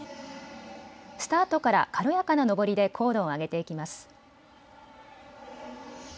スタートから軽やかな登りで高度を上げていきます。